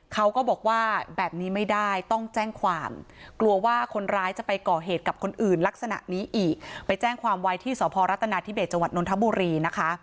เขาก็บอกว่าแบบนี้ไม่ได้ต้องแจ้งความกลัวว่าคนร้ายจะไปก่อเหตุกับคนอื่นลักษณะนี้อีกไปแจ้งความไว้ที่สพรัฐนาธิเบสจังหวัดนทบุรีนะคะ